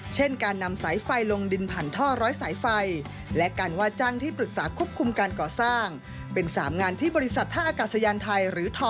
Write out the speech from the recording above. เช่นการนำสายไฟลงดินผันท่อร้อยสายไฟ